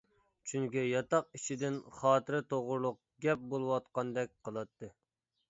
چۈنكى ياتاق ئىچىدىن خاتىرە توغرۇلۇق گەپ بولۇۋاتقاندەك قىلاتتى.